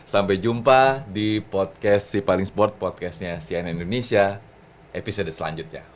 sampai jumpa di podcast si paling sport podcastnya cnn indonesia episode selanjutnya